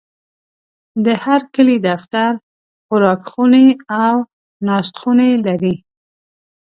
د هرکلي دفتر، خوراکخونې او ناستخونې لري.